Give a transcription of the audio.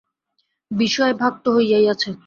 বিষয় ভাগ তো হইয়াই আছে।